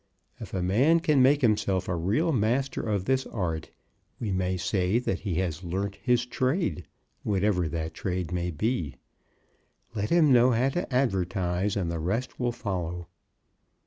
If a man can make himself a real master of this art, we may say that he has learnt his trade, whatever that trade may be. Let him know how to advertise, and the rest will follow.